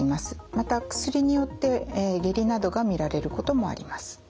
また薬によって下痢などが見られることもあります。